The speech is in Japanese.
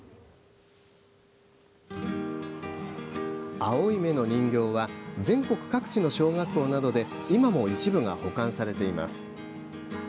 青い目の人形は全国各地の小学校などで今も、一部が保管されています。